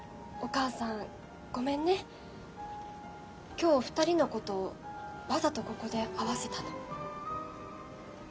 今日２人のことわざとここで会わせたの。